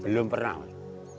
belum pernah mbah